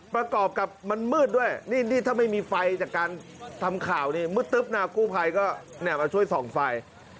ประกอบกับมันมืดด้วยนี่ถ้าไม่มีไฟจากการทำข่าวนี่มืดตึ๊บนะกู้ภัยก็มาช่วยส่องไฟ